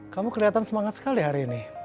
kamu kelihatan semangat sekali hari ini